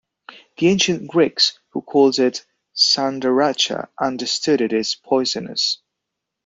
The ancient Greeks, who called it ""sandaracha"", understood it is poisonous.